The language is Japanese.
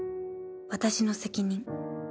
私の責任。